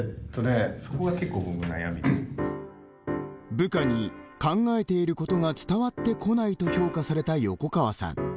部下に、考えていることが伝わってこないと評価された横川さん。